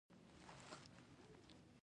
یا یې لږ اندازه په ځان مصرفوي